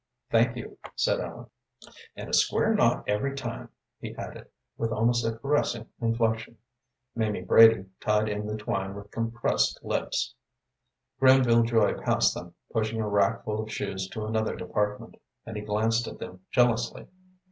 "Thank you," said Ellen. "And a square knot every time," he added, with almost a caressing inflection. Mamie Brady tied in the twine with compressed lips. Granville Joy passed them, pushing a rack full of shoes to another department, and he glanced at them jealously.